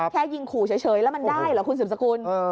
แค่ยิงขู่เฉยแล้วมันได้เหรอคุณสืบสกุล